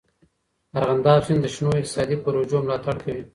د ارغنداب سیند د شنو اقتصادي پروژو ملاتړ کوي.